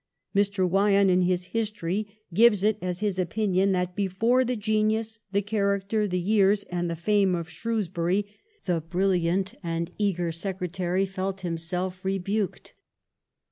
Mr. Wyon in his history gives it as his opinion that ' before the genius, the character, the years, and the fame of Shrewsbury the brilliant and eager Secretary felt himself rebuked.'